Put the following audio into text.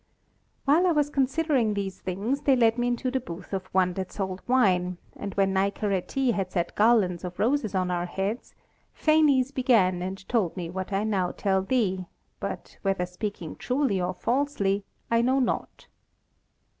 While I was considering these things they led me into the booth of one that sold wine; and when Nicaretê had set garlands of roses on our heads, Phanes began and told me what I now tell thee but whether speaking truly or falsely I know not.